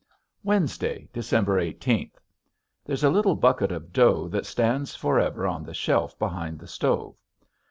Wednesday, December eighteenth. There's a little bucket of dough that stands forever on the shelf behind the stove.